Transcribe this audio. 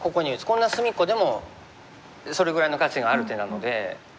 こんな隅っこでもそれぐらいの価値がある手なので。